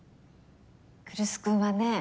来栖君はね